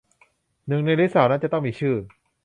หนึ่งในลิสต์เหล่านั้นจะต้องมีชื่อ